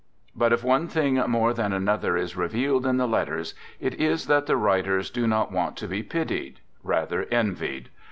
3ut if ope thing more than another is revealed in the letters, it is that the writers do nQt want to be pitied ; rather envied.